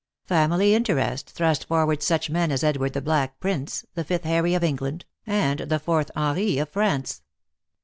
Family interest thrust forward such men as Edward the Black Prince, the fifth Harry of England, and the fourth Henri of France.